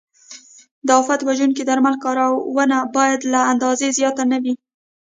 د آفت وژونکو درملو کارونه باید له اندازې زیات نه وي.